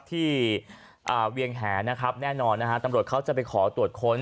เวียงแหนะครับแน่นอนนะฮะตำรวจเขาจะไปขอตรวจค้น